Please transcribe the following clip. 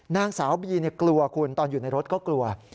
นางสาวบีกลัวคุณตอนอยู่ในรถก็กลัว